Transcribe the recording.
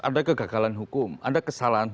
ada kegagalan hukum ada kesalahan